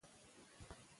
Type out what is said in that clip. د پرېکړو روڼتیا شک کموي